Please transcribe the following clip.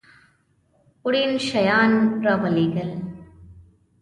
وړین شیان را ولېږل.